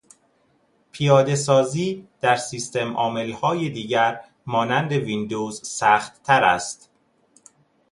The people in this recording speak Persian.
پیادهسازی در سیستمعاملهای دیگر مانند ویندوز سختتر است.